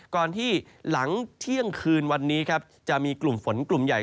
ก่อนที่หลังเที่ยงคืนวันนี้ครับจะมีกลุ่มฝนกลุ่มใหญ่